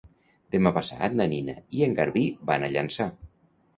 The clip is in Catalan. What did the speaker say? Demà passat na Nina i en Garbí van a Llançà.